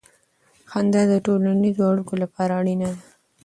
خندا د ټولنیزو اړیکو لپاره اړینه ده.